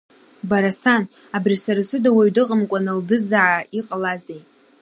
Бара, сан, абри сара сыда уаҩ дыҟамкәан Алдызаа, иҟалази?